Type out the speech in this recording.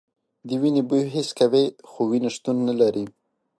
د وینې بوی حس کوي خو وینه شتون نه لري.